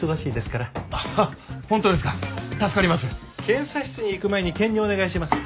検査室に行く前に検尿をお願いします。